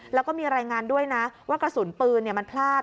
แล้วก็มีรายงานด้วยนะว่ากระสุนปืนมันพลาด